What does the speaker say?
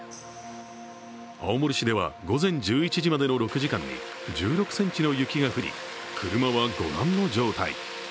青森市では、午前１１時までの６時間に１６ｃｍの雪が降り、車はご覧の状態。